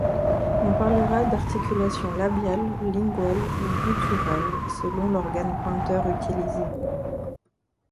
On parlera d'articulation labiale, linguale, ou gutturale, selon l'organe pointeur utilisé.